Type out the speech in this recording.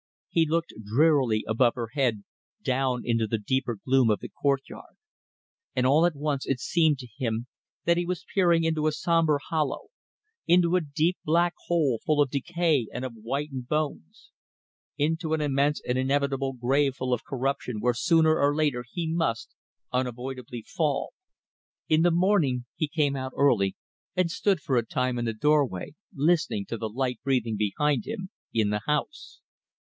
... He looked drearily above her head down into the deeper gloom of the courtyard. And, all at once, it seemed to him that he was peering into a sombre hollow, into a deep black hole full of decay and of whitened bones; into an immense and inevitable grave full of corruption where sooner or later he must, unavoidably, fall. In the morning he came out early, and stood for a time in the doorway, listening to the light breathing behind him in the house.